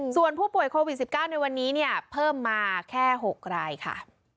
ส่วนผู้ป่วยโควิด๑๙ในวันนี้เนี่ยเพิ่มมาแค่๖รายค่ะ